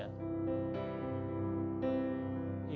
saya memiliki peluang untuk membuat implan di indonesia